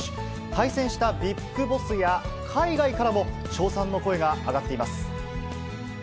対戦したＢＩＧＢＯＳＳや海外からも、称賛の声が上がっています。